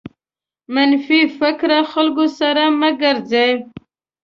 منفي فکره خلکو سره مه ګرځٸ.